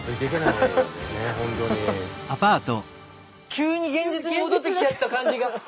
急に現実に戻ってきちゃった感じが。